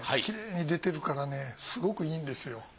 きれいに出てるからねすごくいいんですよ。